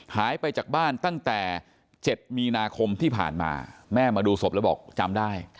หายไปจากบ้านตั้งแต่๗มีนาคมที่ผ่านมาแม่มาดูศพแล้วบอกจำได้